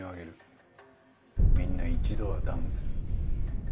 みんな一度はダウンする。